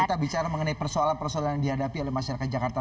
kita bicara mengenai persoalan persoalan yang dihadapi oleh masyarakat jakarta